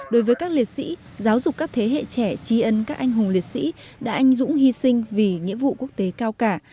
đối với các liệt sĩ giáo dục các thế hệ trẻ trí ân các anh hùng liệt sĩ đã anh dũng hy sinh vì nghĩa vụ quốc tế cao cả